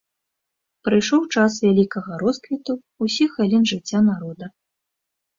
Прыйшоў час вялікага росквіту ўсіх галін жыцця народа.